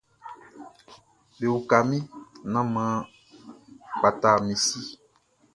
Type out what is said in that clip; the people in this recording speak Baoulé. Bewuka mi, nan man kpata mi si.